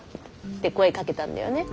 って声かけたんだよね。